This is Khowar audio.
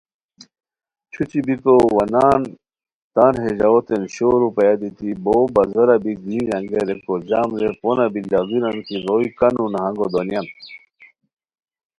چھوچھی بیکو وا نان تان ہے ژاؤتین شور روپیہ دیتی بو بازارا بی گرینج انگیئے ریکو جام رے پونہ بی لاڑیران کی روئےکانو نہنگو دونیان